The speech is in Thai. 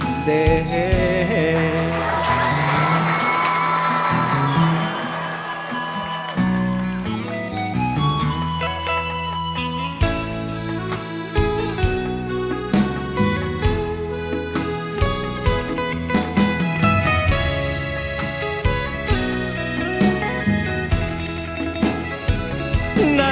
เหมือนเจ้าหน้า